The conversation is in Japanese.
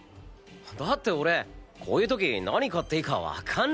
だって俺こういう時何買っていいかわかんねえもん。